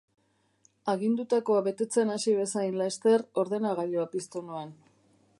Agindutakoa betetzen hasi bezain laster, ordenagailua piztu nuen.